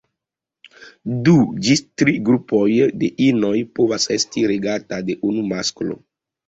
Du ĝi tri grupoj de inoj povas esti regata de unu masklo.